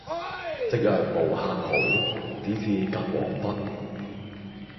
夕陽無限好，只是近黃昏。